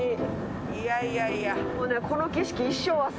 いやいやいや。